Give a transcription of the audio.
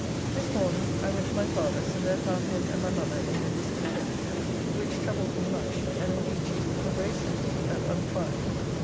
This morning I went to my father's, and there found him and my mother in a discontent, which troubles me much, and indeed she is become very simple and unquiet.